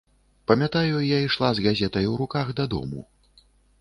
Памятаю, я ішла з газетай у руках дадому.